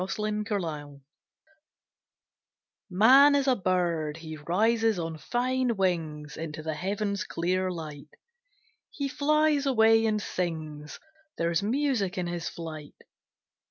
THE BIRD MAN Man is a bird: He rises on fine wings Into the Heaven's clear light; He flies away and sings There's music in his flight.